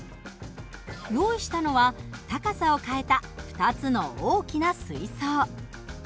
用意したのは高さを変えた２つの大きな水槽。